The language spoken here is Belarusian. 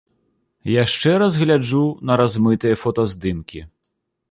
Яшчэ раз гляджу на размытыя фотаздымкі.